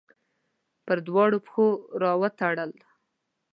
پر دواړو پښو راوتړل